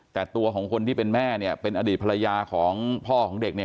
แต่ตัวของคนที่เป็นแม่เนี่ยเป็นอดีตภรรยาของพ่อของเด็กเนี่ย